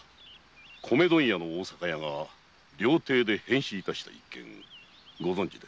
米問屋の大阪屋が料亭で変死致した一件はご存じで？